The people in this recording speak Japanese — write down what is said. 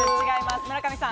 村上さん。